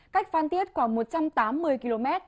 cách phan tiết khoảng một trăm tám mươi km